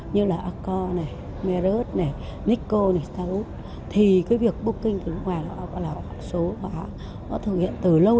như là accor merus nikko starwood thì việc booking từ ngoài là số hóa nó thực hiện từ lâu